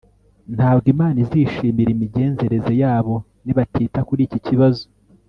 ntabwo imana izishimira imigenzereze yabo nibatita kuri iki kibazo